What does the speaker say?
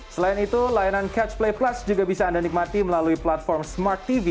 selain itu layanan catch play plus juga bisa anda nikmati melalui platform smart tv